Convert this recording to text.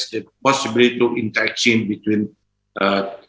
itu kemungkinan untuk berinteraksi antara